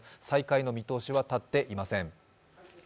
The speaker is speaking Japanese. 再開の見通しは立っていません。